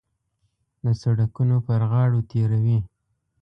د سړکونو پر غاړو تېروي.